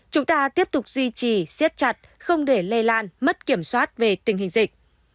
chúng ta tiếp tục duy trì siết chặt không để lây lan mất kiểm soát về tình hình dịch